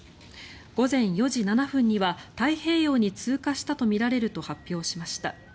午前４時７分には太平洋に通過したとみられると発表しました。